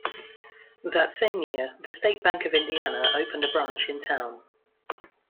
That same year, the State Bank of Indiana opened a branch in town.